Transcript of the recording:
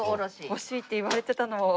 欲しいって言われてたのを。